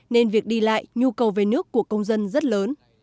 nên việc đi lại nhu cầu về nước của công dân rất lớn